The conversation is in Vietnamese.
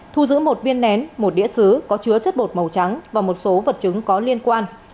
thu giữ một viên nén một đĩa xứ có chứa chất bột màu trắng và một số vật chứng có liên quan